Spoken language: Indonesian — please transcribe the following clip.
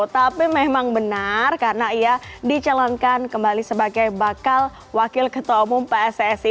tapi memang benar karena ia dicalonkan kembali sebagai bakal wakil ketua umum pssi